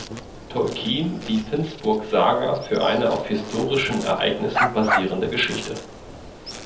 Tolkien die Finnsburg-Saga für eine auf historischen Ereignissen basierende Geschichte.